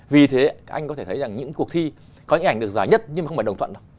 vì thế anh có thể thấy rằng những cuộc thi có những ảnh được giải nhất nhưng mà không phải đồng thuận đâu